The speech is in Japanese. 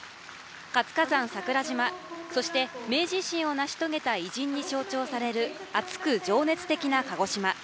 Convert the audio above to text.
活火山、桜島そして明治維新を成し遂げた偉人に象徴される熱く情熱的な鹿児島。